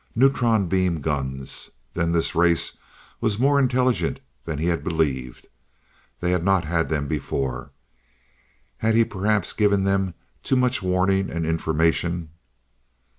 Neutron beam guns. Then this race was more intelligent than he had believed. They had not had them before. Had he perhaps given them too much warning and information?